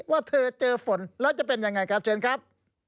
ว่าเธอเจอฝนแล้วจะเป็นยังไงครับเชิญครับ